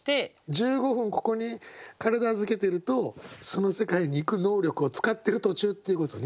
１５分ここに体預けてるとその世界に行く能力を使ってる途中っていうことね。